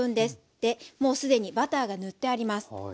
でもうすでにバターが塗ってあります。